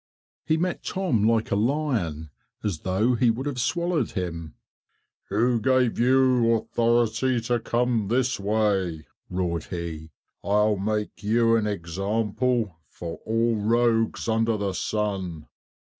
He met Tom like a lion as though he would have swallowed him. "Who gave you authority to come this way?" roared he. "I'll make you an example for all rogues under the sun.